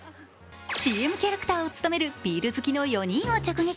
ＣＭキャラクターを務めるビール好きの４人を直撃。